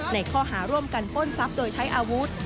ในข้อหาร่วมกันปล้นทรัพย์โดยใช้อาวุธ